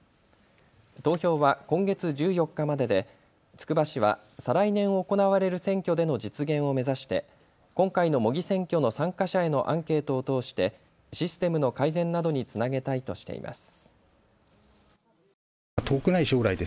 投票は今月１４日まででつくば市は再来年行われる選挙での実現を目指して今回の模擬選挙の参加者へのアンケートを通してシステムの改善などにつなげたいとしています。